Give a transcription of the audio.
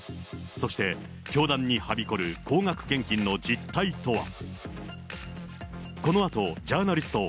そして、教団にはびこる高額献金の実態とは。